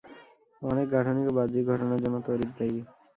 অনেক গাঠনিক ও বাহ্যিক ঘটনার জন্য তড়িৎ দায়ী।